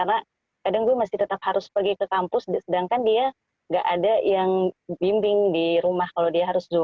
nah kadang tuh anak tuh kalau orang tua yang ngajarin tuh lebih susah